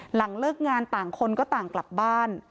หลังเลิกงานต่างคนก็ต่างกลับบ้าน